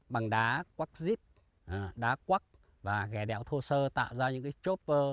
bằng đá quắc dít đá quắc và ghẻ đẹo thô sơ tạo ra những cái chopper